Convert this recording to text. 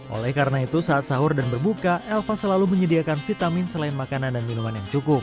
oleh karena itu saat sahur dan berbuka elva selalu menyediakan vitamin selain makanan dan minuman yang cukup